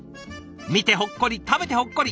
見てほっこり食べてほっこり。